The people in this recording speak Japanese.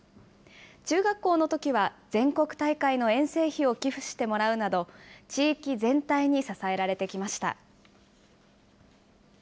中学校のときは全国大会の遠征費を寄付してもらうなど、地域全体に支えられてきました。